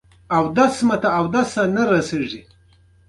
منی د افغان ښځو په ژوند کې رول لري.